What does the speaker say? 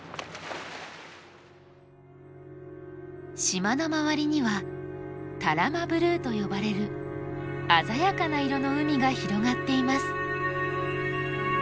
島の周りには多良間ブルーと呼ばれる鮮やかな色の海が広がっています。